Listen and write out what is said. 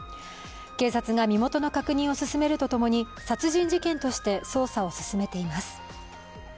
警察が身元の確認を進めるとともに殺人事件として捜査を進めています。